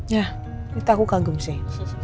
ya kita aku kagum sih